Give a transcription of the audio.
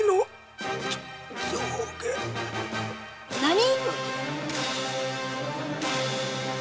何？